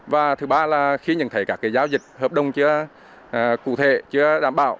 và thứ ba là khi nhận thấy các giao dịch hợp đồng chưa cụ thể chưa đảm bảo